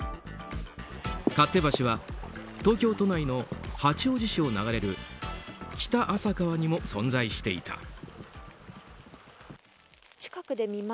勝手橋は東京都内の八王子市を流れる北浅川にも存在していた。